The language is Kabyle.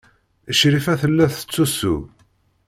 Crifa tella tettusu.